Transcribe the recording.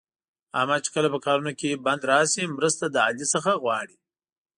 احمد چې کله په کارونو کې بند راشي، مرسته له علي څخه غواړي.